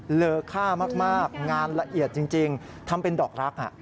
เหลือค่ามากงานละเอียดจริงทำเป็นดอกรัก